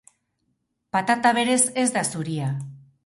Patata berez ez da zuria.